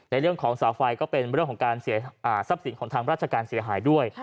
เรื่องของสาวไฟก็เป็นเรื่องของการเสียทรัพย์สินของทางราชการเสียหายด้วย